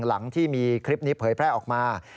หลังที่มีคลิปนี้เผยแพร่ออกมา